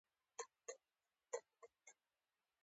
د همدې تغییر په وجه غورځنګونه رامنځته شول.